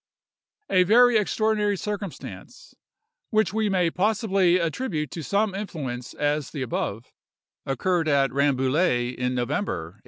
A very extraordinary circumstance, which we may possibly attribute to some such influence as the above, occurred at Rambouillet in November, 1846.